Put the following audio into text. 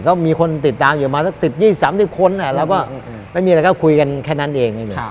ก็มีคนติดตามอยู่มาสัก๑๐๒๐๓๐คนแล้วก็ไม่มีอะไรก็คุยกันแค่นั้นเอง